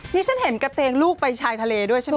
ที่ฉันเห็นกระเตงลูกไปชายทะเลด้วยใช่ไหม